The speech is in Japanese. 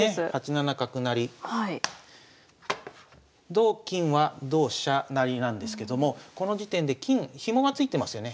同金は同飛車成なんですけどもこの時点で金ヒモがついてますよね。